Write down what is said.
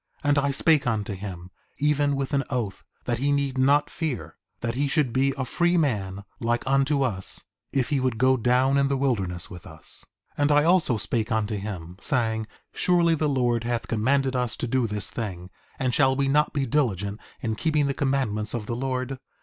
4:33 And I spake unto him, even with an oath, that he need not fear; that he should be a free man like unto us if he would go down in the wilderness with us. 4:34 And I also spake unto him, saying: Surely the Lord hath commanded us to do this thing; and shall we not be diligent in keeping the commandments of the Lord?